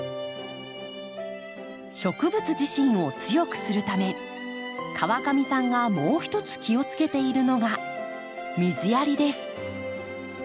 植物自身を強くするため川上さんがもう一つ気をつけているのが水やりです。